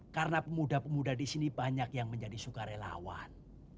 karena pemuda pemuda di sini banyak yang menjadi sukarelawan